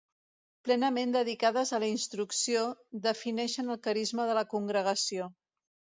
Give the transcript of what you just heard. Plenament dedicades a la instrucció, defineixen el carisma de la congregació.